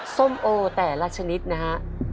ส้มโอแต่ละชนิดนะฮะ